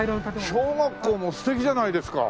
小学校も素敵じゃないですか。